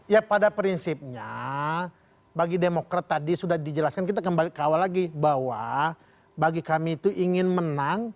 ya pada prinsipnya bagi demokrat tadi sudah dijelaskan kita kembali ke awal lagi bahwa bagi kami itu ingin menang